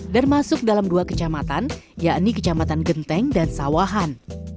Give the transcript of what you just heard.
dan masuk dalam dua kecamatan yakni kecamatan genteng dan sawahan